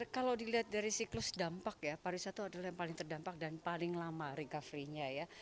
kalau dilihat dari siklus dampak ya pariwisata adalah yang paling terdampak dan paling lama recovery nya ya